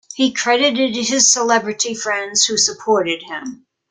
He credited his celebrity friends who supported him.